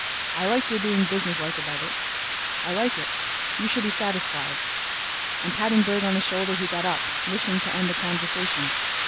"I like your being businesslike about it.... I like it. You shall be satisfied...." And patting Berg on the shoulder he got up, wishing to end the conversation.